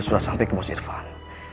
sudah sampe ke mosirvan